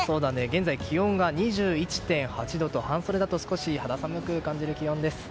現在、気温が２１．８度と半袖だと少し肌寒く感じる気温です。